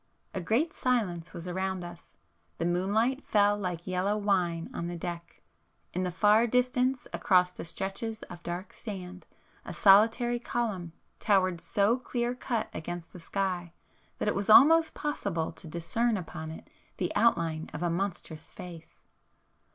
A great silence was around us,—the moonlight fell like yellow wine on the deck,—in the far distance across the stretches of dark sand, a solitary column towered so clear cut against the sky that it was almost possible to discern upon it the outline of a monstrous face.